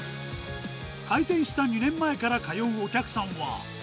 開店した２年前から通うお客さんは。